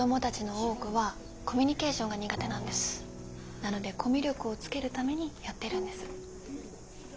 なのでコミュ力をつけるためにやってるんです。